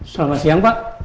selamat siang pak